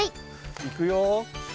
いくよ。